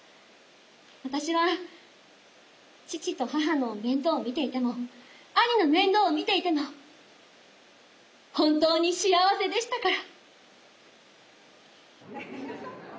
私は父と母の面倒を見ていても兄の面倒を見ていても本当に幸せでしたから。